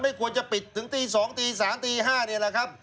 ควรจะปิดถึงตี๒ตี๓ตี๕นี่แหละครับ